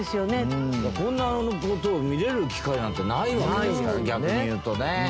こんな事を見れる機会なんてないわけですから逆に言うとね。